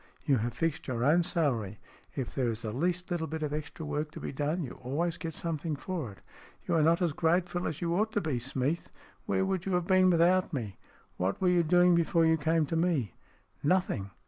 You have fixed your own salary. If there is the least little bit of extra work to be done, you always get something for it. You are not as grateful as you ought to be, Smeath. Where would you have been without me? What were you doing before you came to me?" " Nothing.